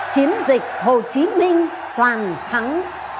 chiếm dịch hồ chí minh toàn thắng